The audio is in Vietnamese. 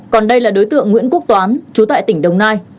còn đây là đối tượng nguyễn quốc toán chú tại tỉnh đồng nai